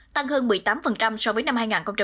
tăng hơn một mươi tám so với năm hai nghìn một mươi bảy